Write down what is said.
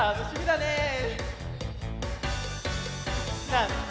「なんだ？